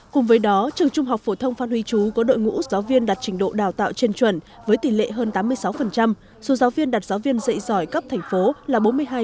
cùng với đó trường trung học phổ thông phan huy chú có đội ngũ giáo viên đạt trình độ đào tạo trên chuẩn với tỷ lệ hơn tám mươi sáu số giáo viên đặt giáo viên dạy giỏi cấp thành phố là bốn mươi hai